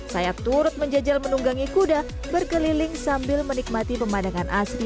sayap turut menjejel menunggangi kuda berkeliling sambil menikmati pemandangan asli layak dan menarik